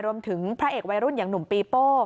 พระเอกวัยรุ่นอย่างหนุ่มปีโป้